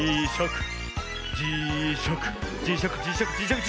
じしゃくじしゃくじしゃく